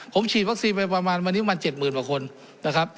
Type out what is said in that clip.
ผมฉี่ปรักษีมาประมาณ๗๐๐๐๐คนนะครับ